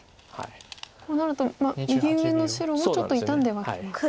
こうなると右上の白もちょっと傷んではきますか。